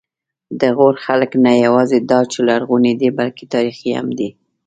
د غور خلک نه یواځې دا چې لرغوني دي، بلکې تاریخي هم دي.